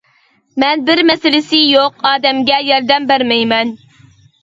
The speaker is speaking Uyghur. مەن بىر مەسىلىسى يوق ئادەمگە ياردەم بەرمەيمەن.